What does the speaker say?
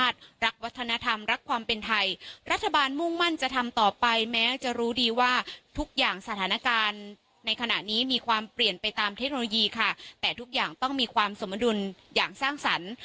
แต่ทุกอย่างต้องมีความสมดุลอย่างสร้างสรรค์